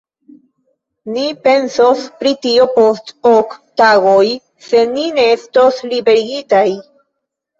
Ni pensos pri tio post ok tagoj, se ni ne estos liberigitaj.